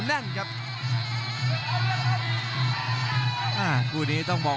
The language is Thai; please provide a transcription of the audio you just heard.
และอัพพิวัตรสอสมนึก